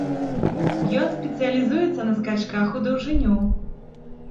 Ён спецыялізуецца на скачках у даўжыню.